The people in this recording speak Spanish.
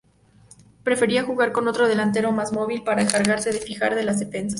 Prefería jugar con otro delantero, más móvil, para encargarse de fijar a las defensas.